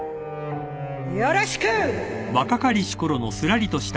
よろしく！